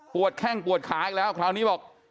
แข้งปวดขาอีกแล้วคราวนี้บอก